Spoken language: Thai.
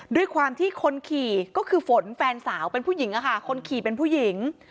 ด้วยความที่คนขี่ก็คือฝนแฟนสาวเป็นผู้หญิงค่ะคนขี่เป็นผู้หญิง